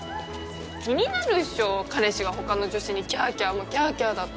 気になるっしょ彼氏が他の女子にキャキャもキャキャだと。